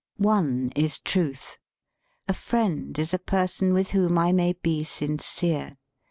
One is Truth. A friend is a person with whom I may be sincere.